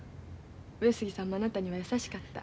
上杉さんもあなたには優しかった。